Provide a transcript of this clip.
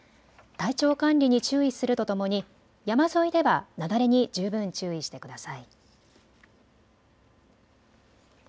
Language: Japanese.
体調管理に注意するとともに山沿いでは雪崩に十分注意してください。